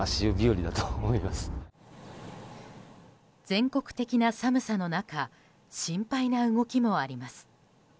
全国的な寒さの中心配な動きもあります。